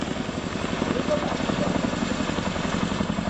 Bɣiɣ ad m-εeǧbeɣ.